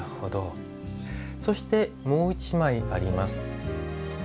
そして、もう１枚あります。